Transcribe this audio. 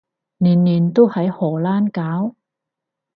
年年都喺荷蘭搞？